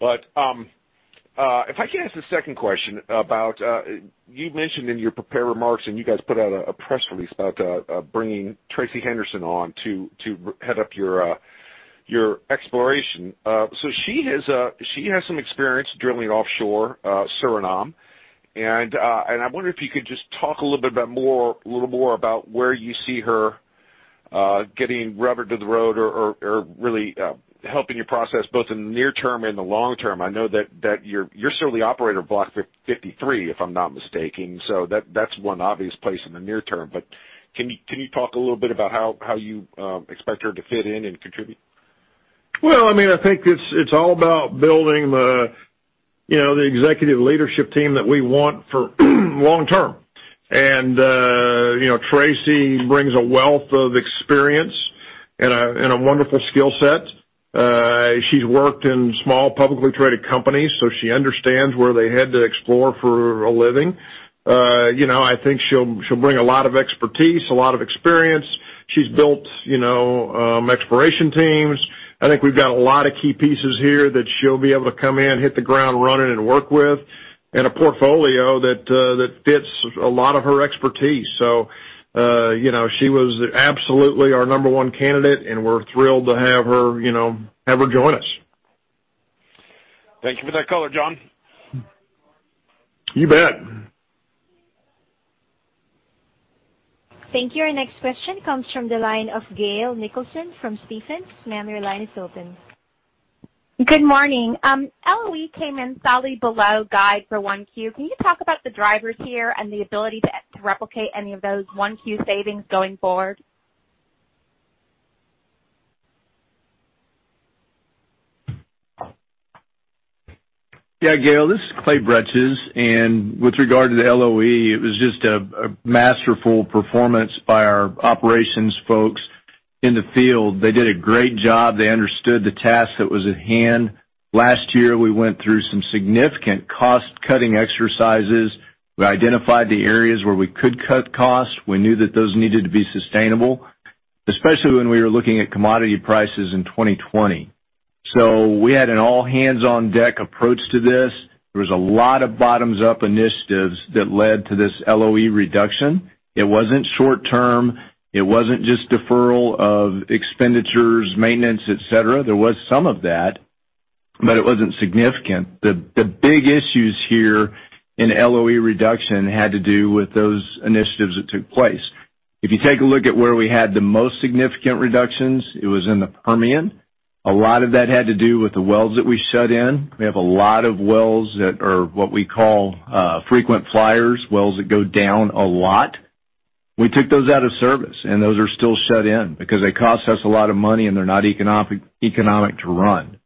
If I could ask a second question about, you mentioned in your prepared remarks, and you guys put out a press release about bringing Tracey Henderson on to head up your exploration. She has some experience drilling offshore Suriname. I wonder if you could just talk a little bit more about where you see her getting rubber to the road or really helping your process both in the near term and the long term. I know that you're certainly operator of Block 53, if I'm not mistaken. That's one obvious place in the near term. Can you talk a little bit about how you expect her to fit in and contribute? Well, I think it's all about building the executive leadership team that we want for long term. Tracey brings a wealth of experience and a wonderful skill set. She's worked in small, publicly traded companies, so she understands where they had to explore for a living. I think she'll bring a lot of expertise, a lot of experience. She's built exploration teams. I think we've got a lot of key pieces here that she'll be able to come in, hit the ground running and work with, and a portfolio that fits a lot of her expertise. She was absolutely our number one candidate, and we're thrilled to have her join us. Thank you for that color, John. You bet. Thank you. Our next question comes from the line of Gail Nicholson from Stephens. Ma'am, your line is open. Good morning. LOE came in solidly below guide for one Q. Can you talk about the drivers here and the ability to replicate any of those one Q savings going forward? Yeah, Gail, this is Clay Bretches. With regard to the LOE, it was just a masterful performance by our operations folks in the field. They did a great job. They understood the task that was at hand. Last year, we went through some significant cost-cutting exercises. We identified the areas where we could cut costs. We knew that those needed to be sustainable, especially when we were looking at commodity prices in 2020. We had an all-hands-on-deck approach to this. There was a lot of bottoms-up initiatives that led to this LOE reduction. It wasn't short term. It wasn't just deferral of expenditures, maintenance, et cetera. There was some of that, but it wasn't significant. The big issues here in LOE reduction had to do with those initiatives that took place. If you take a look at where we had the most significant reductions, it was in the Permian. A lot of that had to do with the wells that we shut in. We have a lot of wells that are what we call frequent flyers, wells that go down a lot. We took those out of service, and those are still shut in because they cost us a lot of money and they're not economic to run.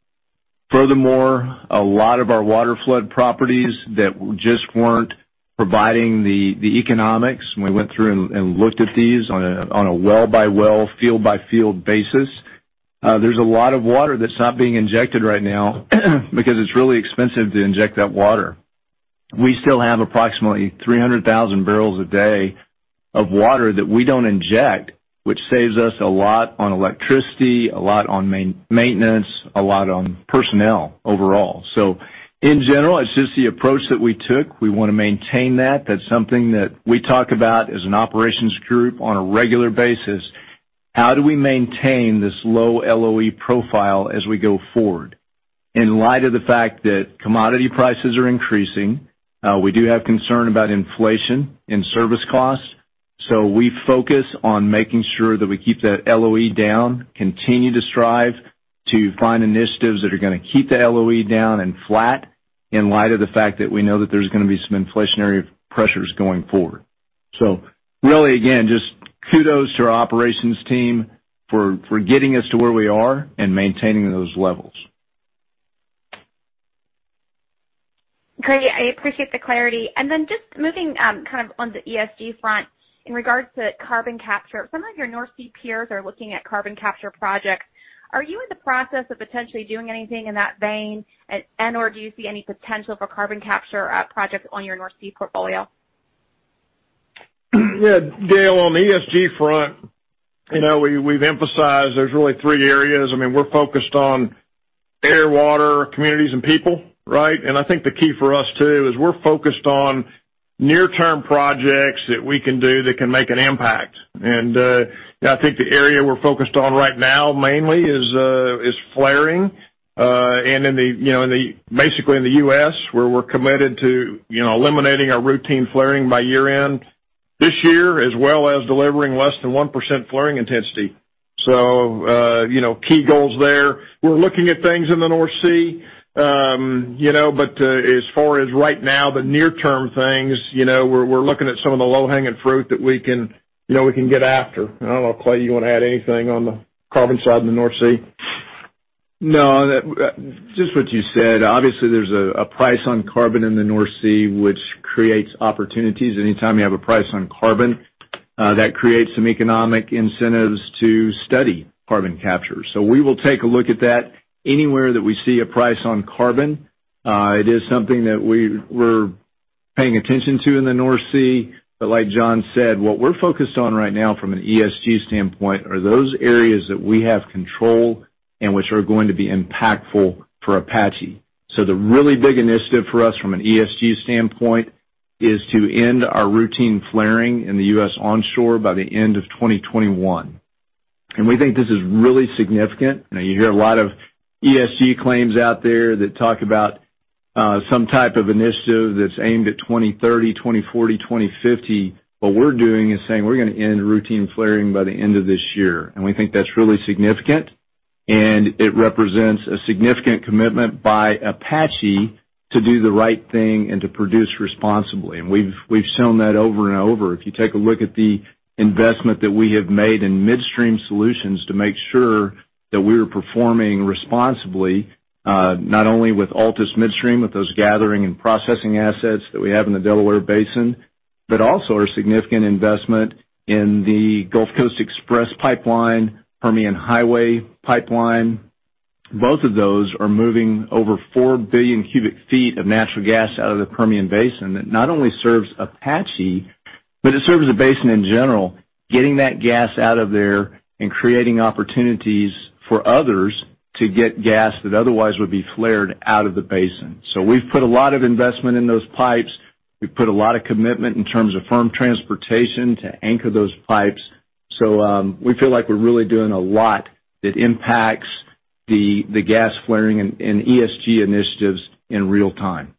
Furthermore, a lot of our waterflood properties that just weren't providing the economics, and we went through and looked at these on a well-by-well, field-by-field basis. There's a lot of water that's not being injected right now because it's really expensive to inject that water. We still have approximately 300,000 barrels a day of water that we don't inject, which saves us a lot on electricity, a lot on maintenance, a lot on personnel overall. In general, it's just the approach that we took. We want to maintain that. That's something that we talk about as an operations group on a regular basis. How do we maintain this low LOE profile as we go forward? In light of the fact that commodity prices are increasing, we do have concern about inflation and service costs. We focus on making sure that we keep that LOE down, continue to strive to find initiatives that are going to keep the LOE down and flat in light of the fact that we know that there's going to be some inflationary pressures going forward. Really, again, just kudos to our operations team for getting us to where we are and maintaining those levels. Great. I appreciate the clarity. Just moving on the ESG front, in regards to carbon capture, some of your North Sea peers are looking at carbon capture projects. Are you in the process of potentially doing anything in that vein and/or do you see any potential for carbon capture projects on your North Sea portfolio? Yeah, Gail, on the ESG front, we've emphasized there's really three areas. We're focused on air, water, communities, and people, right? I think the key for us too is we're focused on near-term projects that we can do that can make an impact. I think the area we're focused on right now mainly is flaring. Basically in the U.S., where we're committed to eliminating our routine flaring by year-end this year, as well as delivering less than 1% flaring intensity. Key goals there. We're looking at things in the North Sea. As far as right now, the near-term things, we're looking at some of the low-hanging fruit that we can get after. I don't know, Clay, you want to add anything on the carbon side in the North Sea? No, just what you said. There's a price on carbon in the North Sea, which creates opportunities. Anytime you have a price on carbon, that creates some economic incentives to study carbon capture. We will take a look at that anywhere that we see a price on carbon. It is something that we're paying attention to in the North Sea. Like John said, what we're focused on right now from an ESG standpoint are those areas that we have control and which are going to be impactful for Apache. The really big initiative for us from an ESG standpoint is to end our routine flaring in the U.S. onshore by the end of 2021. We think this is really significant. You hear a lot of ESG claims out there that talk about some type of initiative that's aimed at 2030, 2040, 2050. What we're doing is saying we're going to end routine flaring by the end of this year, and we think that's really significant, and it represents a significant commitment by Apache to do the right thing and to produce responsibly. We've shown that over and over. If you take a look at the investment that we have made in midstream solutions to make sure that we are performing responsibly, not only with Altus Midstream, with those gathering and processing assets that we have in the Delaware Basin, but also our significant investment in the Gulf Coast Express Pipeline, Permian Highway Pipeline. Both of those are moving over 4 billion cubic feet of natural gas out of the Permian Basin that not only serves Apache, but it serves the basin in general, getting that gas out of there and creating opportunities for others to get gas that otherwise would be flared out of the basin. We've put a lot of investment in those pipes. We've put a lot of commitment in terms of firm transportation to anchor those pipes. We feel like we're really doing a lot that impacts the gas flaring and ESG initiatives in real time.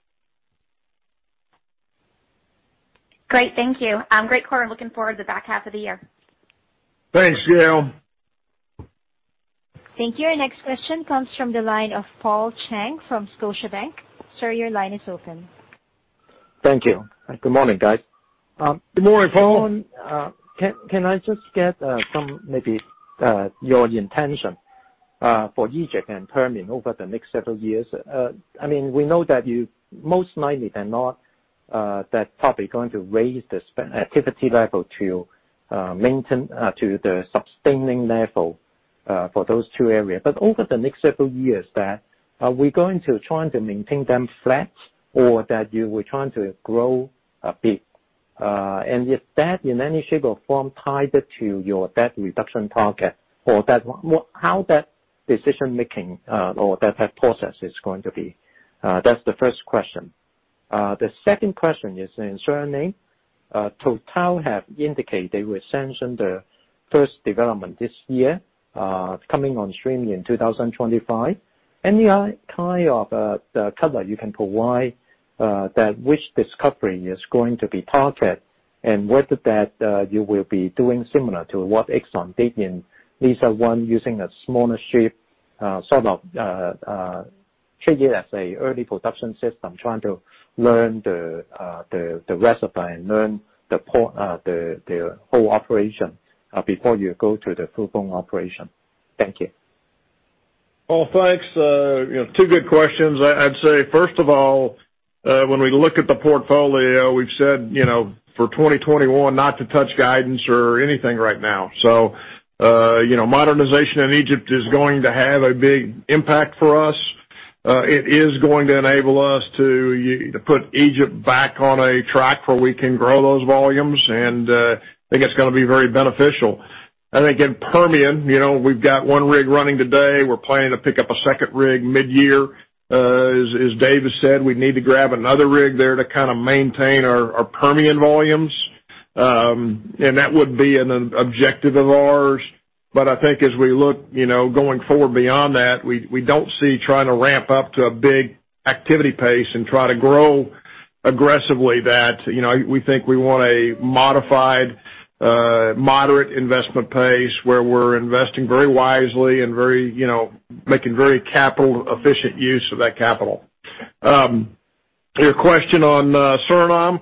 Great. Thank you. Great quarter. I'm looking forward to the back half of the year. Thanks, Gail. Thank you. Our next question comes from the line of Paul Cheng from Scotiabank. Sir, your line is open. Thank you. Good morning, guys. Good morning, Paul. Can I just get maybe your intention for Egypt and Permian over the next several years? We know that you most likely than not that probably going to raise this activity level to the sustaining level for those two areas. Over the next several years, are we going to try to maintain them flat or that you were trying to grow a bit? If that, in any shape or form, tied to your debt reduction target or how that decision-making or that process is going to be? That's the first question. The second question is in Suriname. TotalEnergies have indicated they will sanction the first development this year, coming on stream in 2025. Any kind of color you can provide that which discovery is going to be target and what that you will be doing similar to what Exxon did in Liza-1 using a smaller ship, sort of treat it as a early production system, trying to learn the rest of it and learn the whole operation before you go to the full-blown operation. Thank you. Paul, thanks. Two good questions. I'd say, first of all, when we look at the portfolio, we've said for 2021 not to touch guidance or anything right now. Modernization in Egypt is going to have a big impact for us. It is going to enable us to put Egypt back on a track where we can grow those volumes, and I think it's going to be very beneficial. I think in Permian, we've got one rig running today. We're planning to pick up a second rig mid-year. As David said, we need to grab another rig there to kind of maintain our Permian volumes. That would be an objective of ours. I think as we look going forward beyond that, we don't see trying to ramp up to a big activity pace and try to grow aggressively that. We think we want a modified, moderate investment pace where we're investing very wisely and making very capital efficient use of that capital. Your question on Suriname.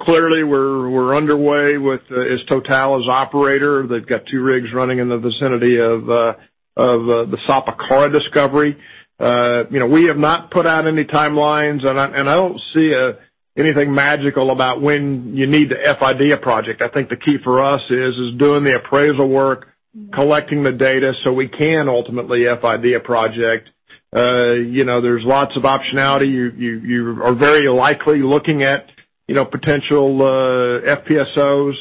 Clearly, we're underway with, as TotalEnergies as operator. They've got two rigs running in the vicinity of the Sapakara discovery. We have not put out any timelines. I don't see anything magical about when you need to FID a project. I think the key for us is doing the appraisal work, collecting the data. We can ultimately FID a project. There's lots of optionality. You are very likely looking at potential FPSOs,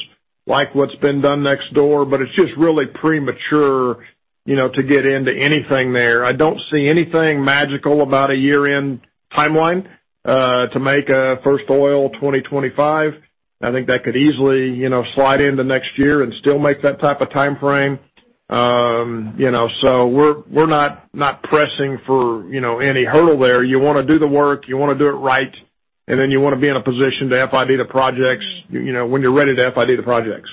like what's been done next door. It's just really premature to get into anything there. I don't see anything magical about a year-end timeline to make first oil 2025. I think that could easily slide into next year and still make that type of timeframe. We're not pressing for any hurdle there. You want to do the work, you want to do it right, and then you want to be in a position to FID the projects when you're ready to FID the projects.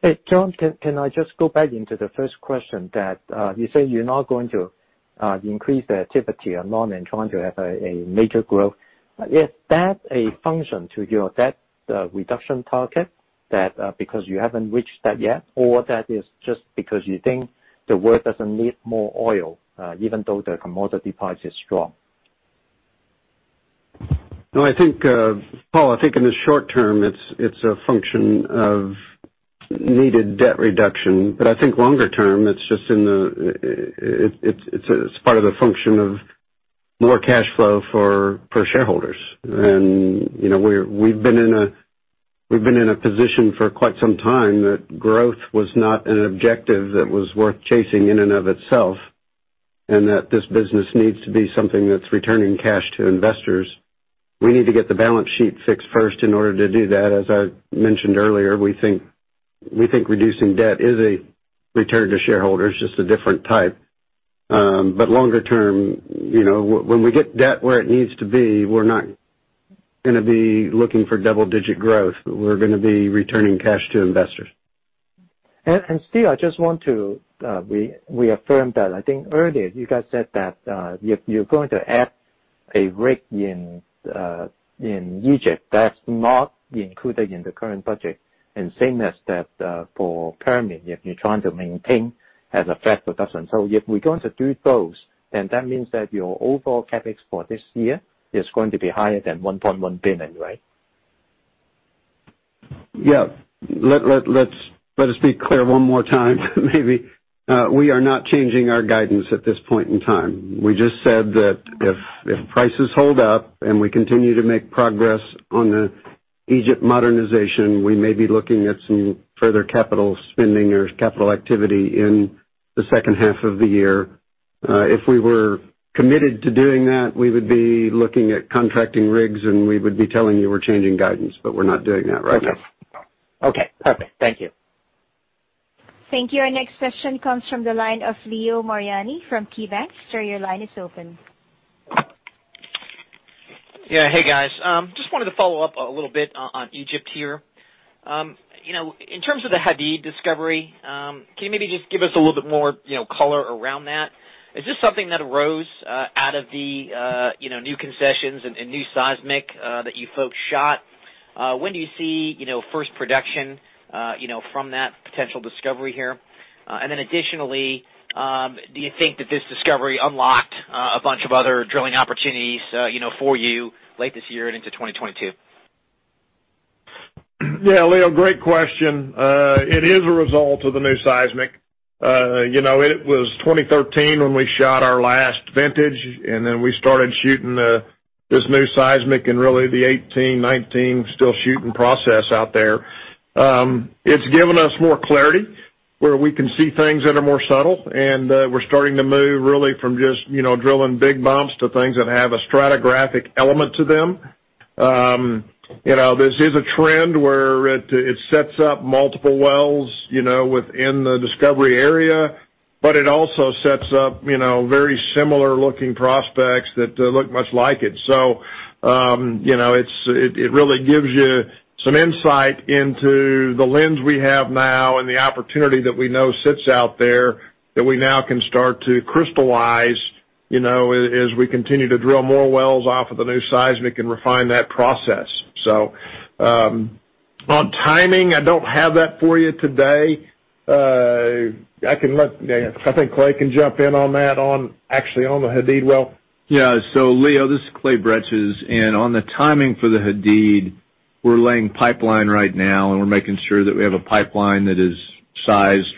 Hey, John, can I just go back into the first question that you say you're not going to increase the activity along and trying to have a major growth. Is that a function to your debt reduction target that because you haven't reached that yet, or that is just because you think the world doesn't need more oil even though the commodity price is strong? No, Paul, I think in the short term, it's a function of needed debt reduction. I think longer term, it's part of the function of more cash flow for shareholders. We've been in a position for quite some time that growth was not an objective that was worth chasing in and of itself, and that this business needs to be something that's returning cash to investors. We need to get the balance sheet fixed first in order to do that. As I mentioned earlier, we think reducing debt is a return to shareholders, just a different type. Longer term, when we get debt where it needs to be, we're not going to be looking for double-digit growth. We're going to be returning cash to investors. Steve, I just want to reaffirm that. I think earlier you guys said that you're going to add a rig in Egypt that's not included in the current budget, and same as that for Permian, if you're trying to maintain as a flat production. If we're going to do those, then that means that your overall CapEx for this year is going to be higher than $1.1 billion, right? Yeah. Let us be clear one more time, maybe. We are not changing our guidance at this point in time. We just said that if prices hold up and we continue to make progress on the Egypt modernization, we may be looking at some further capital spending or capital activity in the second half of the year. If we were committed to doing that, we would be looking at contracting rigs, and we would be telling you we're changing guidance, but we're not doing that right now. Okay. Perfect. Thank you. Thank you. Our next question comes from the line of Leo Mariani from KeyBank. Sir, your line is open. Yeah. Hey, guys. Just wanted to follow up a little bit on Egypt here. In terms of the Hadid discovery, can you maybe just give us a little bit more color around that? Is this something that arose out of the new concessions and new seismic that you folks shot? When do you see first production from that potential discovery here? Additionally, do you think that this discovery unlocked a bunch of other drilling opportunities for you late this year and into 2022? Yeah, Leo, great question. It is a result of the new seismic. It was 2013 when we shot our last vintage. We started shooting this new seismic in really the 2018, 2019, still shooting process out there. It's given us more clarity where we can see things that are more subtle. We're starting to move really from just drilling big bumps to things that have a stratigraphic element to them. This is a trend where it sets up multiple wells within the discovery area. It also sets up very similar-looking prospects that look much like it. It really gives you some insight into the lens we have now and the opportunity that we know sits out there that we now can start to crystallize as we continue to drill more wells off of the new seismic and refine that process. On timing, I don't have that for you today. I think Clay can jump in on that, actually on the Hadid well. Leo, this is Clay Bretches. On the timing for the Hadid, we're laying pipeline right now, and we're making sure that we have a pipeline that is sized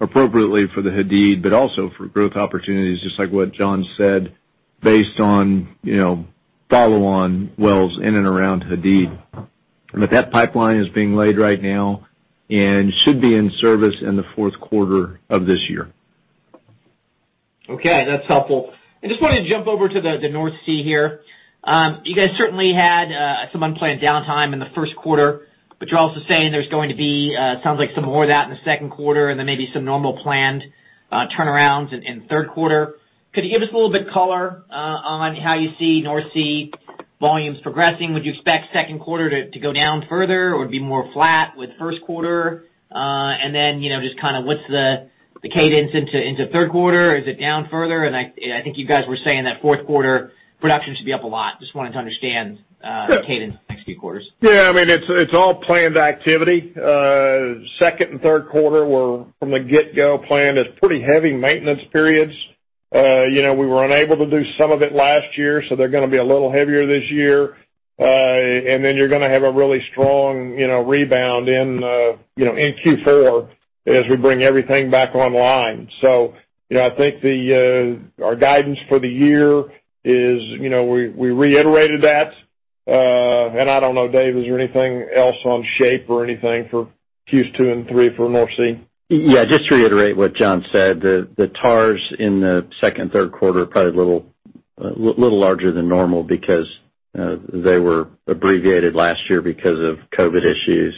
appropriately for the Hadid, but also for growth opportunities, just like what John said, based on follow-on wells in and around Hadid. That pipeline is being laid right now and should be in service in the fourth quarter of this year. Okay. That's helpful. I just wanted to jump over to the North Sea here. You guys certainly had some unplanned downtime in the first quarter, you're also saying sounds like some more of that in the second quarter, maybe some normal planned turnarounds in third quarter. Could you give us a little bit color on how you see North Sea volumes progressing? Would you expect second quarter to go down further or be more flat with first quarter? Just what's the cadence into third quarter? Is it down further? I think you guys were saying that fourth quarter production should be up a lot. Just wanted to understand the cadence the next few quarters. Yeah. It's all planned activity. Second and third quarter were from the get-go planned as pretty heavy maintenance periods. We were unable to do some of it last year, so they're going to be a little heavier this year. You're going to have a really strong rebound in Q4 as we bring everything back online. I think our guidance for the year is, we reiterated that. I don't know, David, is there anything else on shape or anything for Q2 and Q3 for North Sea? Just to reiterate what John said, the TARs in the second and third quarter are probably a little. A little larger than normal because they were abbreviated last year because of COVID issues.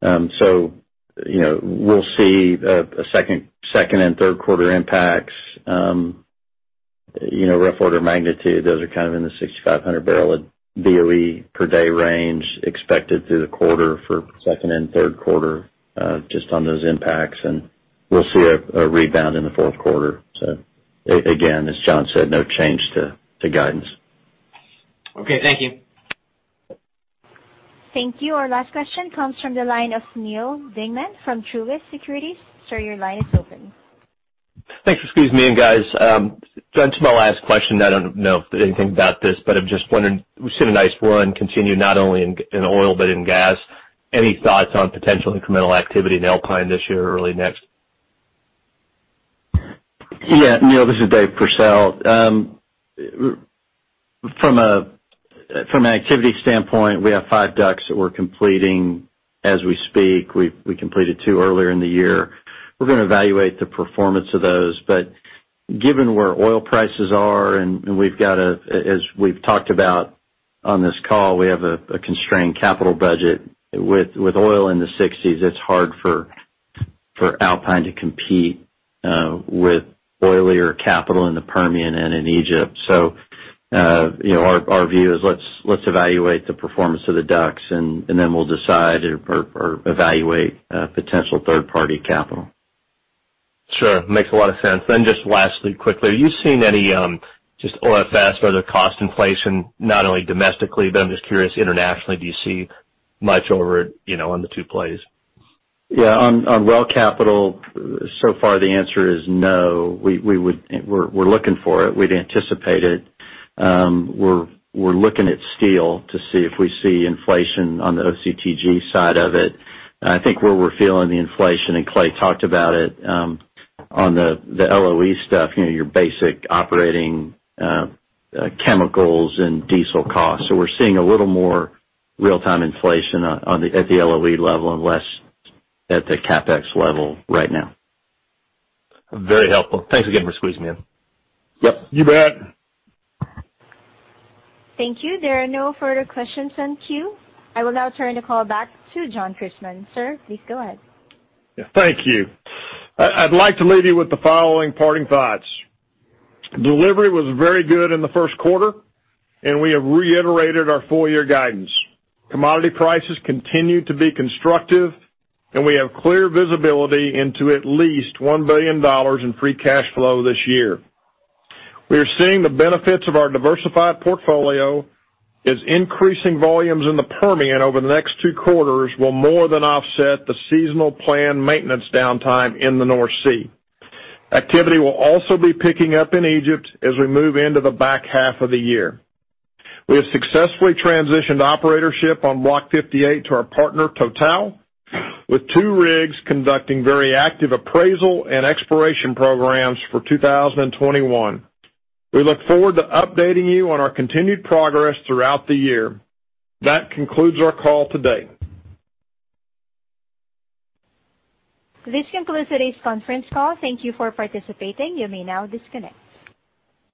We'll see a second and third quarter impacts. Rough order of magnitude, those are kind of in the 6,500 barrel of BOE per day range expected through the quarter for second and third quarter, just on those impacts. We'll see a rebound in the fourth quarter. Again, as John said, no change to guidance. Okay. Thank you. Thank you. Our last question comes from the line of Neal Dingmann from Truist Securities. Sir, your line is open. Thanks for squeezing me in, guys. John, to my last question, I don't know if you know anything about this, but I've just wondered, we've seen a nice run continue not only in oil, but in gas. Any thoughts on potential incremental activity in Alpine this year or early next? Yeah. Neal, this is David Pursell. From an activity standpoint, we have five DUCs that we're completing as we speak. We completed two earlier in the year. We're going to evaluate the performance of those, but given where oil prices are, and as we've talked about on this call, we have a constrained capital budget. With oil in the 60s, it's hard for Alpine to compete with oilier capital in the Permian and in Egypt. Our view is let's evaluate the performance of the DUCs, and then we'll decide or evaluate potential third-party capital. Sure. Makes a lot of sense. Just lastly, quickly, are you seeing any just OFS, further cost inflation, not only domestically, but I'm just curious, internationally, do you see much over it on the two plays? Yeah. On well capital, so far the answer is no. We're looking for it. We'd anticipate it. We're looking at steel to see if we see inflation on the OCTG side of it. I think where we're feeling the inflation, and Clay talked about it, on the LOE stuff, your basic operating chemicals and diesel costs. We're seeing a little more real-time inflation at the LOE level and less at the CapEx level right now. Very helpful. Thanks again for squeezing me in. Yep. You bet. Thank you. There are no further questions in queue. I will now turn the call back to John Christmann. Sir, please go ahead. Yeah. Thank you. I'd like to leave you with the following parting thoughts. Delivery was very good in the first quarter, and we have reiterated our full-year guidance. Commodity prices continue to be constructive, and we have clear visibility into at least $1 billion in free cash flow this year. We are seeing the benefits of our diversified portfolio, as increasing volumes in the Permian over the next two quarters will more than offset the seasonal planned maintenance downtime in the North Sea. Activity will also be picking up in Egypt as we move into the back half of the year. We have successfully transitioned operatorship on Block 58 to our partner, TotalEnergies, with two rigs conducting very active appraisal and exploration programs for 2021. We look forward to updating you on our continued progress throughout the year. That concludes our call today. This concludes today's conference call. Thank you for participating. You may now disconnect.